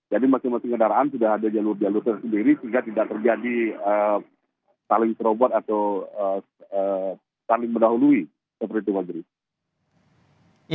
jadi masing masing kendaraan sudah ada jalur jalur tersendiri sehingga tidak terjadi saling terobot atau saling berdahului seperti itu pak juri